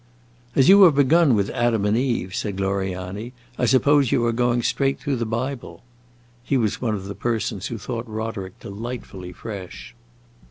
"As you have begun with Adam and Eve," said Gloriani, "I suppose you are going straight through the Bible." He was one of the persons who thought Roderick delightfully fresh.